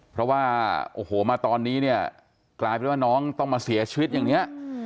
เพราะว่าโอ้โหมาตอนนี้เนี่ยกลายเป็นว่าน้องต้องมาเสียชีวิตอย่างนี้